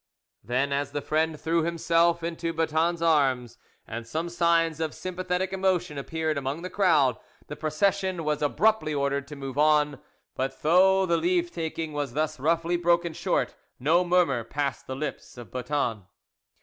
Then, as the friend threw himself into Boeton's arms and some signs of sympathetic emotion appeared among the crowd; the procession was abruptly ordered to move on; but though the leave taking was thus roughly broken short, no murmur passed the lips of Boeton.